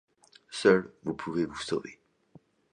Seul, vous pouvez vous sauver…